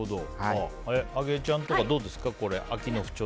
あきえちゃんとかどうですか？